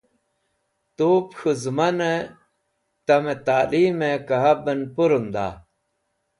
Tub k̃hũ zẽminẽ tamẽ talimẽ kabẽn pũrunda?